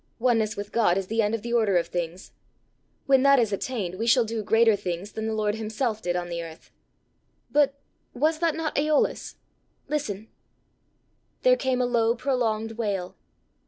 Oneness with God is the end of the order of things. When that is attained, we shall do greater things than the Lord himself did on the earth! But was not that Æolus? Listen!" There came a low prolonged wail.